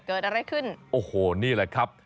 เกิดอะไรขึ้นโอ้โหนี่แหละครับ